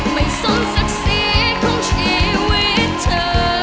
ไม่สมศักดิ์ศรีของชีวิตเธอ